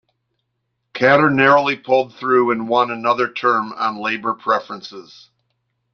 Katter narrowly pulled through and won another term on Labor preferences.